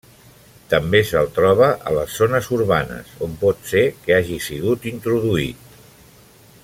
També se'l troba a les zones urbanes, on pot ser que hagi sigut introduït.